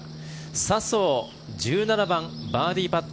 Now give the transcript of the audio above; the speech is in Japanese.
笹生、１７番バーディーパット。